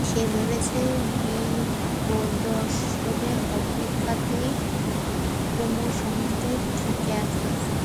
সে ভেবেছে বিপ্রদাসের অপেক্ষাতেই কুমুর সমস্ত ঠেকে আছে।